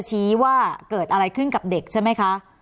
ใช่ครับใช่